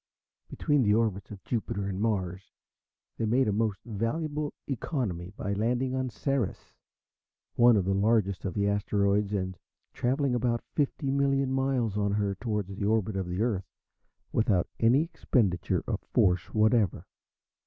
Between the orbits of Jupiter and Mars they made a most valuable economy by landing on Ceres, one of the largest of the asteroids, and travelling about fifty million miles on her towards the orbit of the Earth without any expenditure of force whatever.